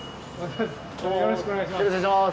よろしくお願いします。